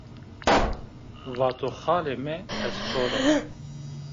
Vato "Xalê mi estor o."